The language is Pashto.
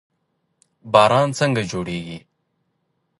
باران څنګه جوړیږي؟